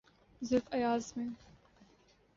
زلف ایاز میں۔